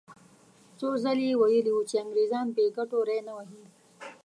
څو ځلې یې ویلي وو چې انګریزان بې ګټو ری نه وهي.